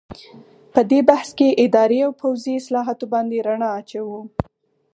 په دې بحث کې اداري او پوځي اصلاحاتو باندې رڼا اچوو.